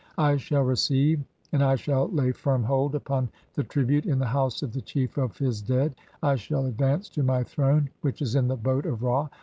I shall receive and I shall lay firm hold upon "the tribute in the House of the Chief of his dead. (4) I shall "advance to my throne which is in the boat of Ra.